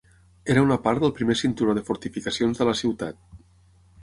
Era una part del primer cinturó de fortificacions de la ciutat.